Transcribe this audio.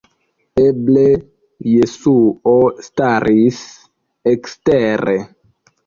Eble Jesuo staris ekstere!